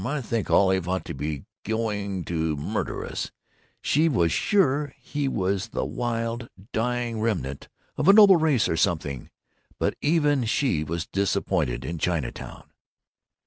I think Olive thought he was going to murder us—she was sure he was the wild, dying remnant of a noble race or something. But even she was disappointed in Chinatown.